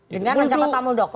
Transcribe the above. dengan ancapata muldoko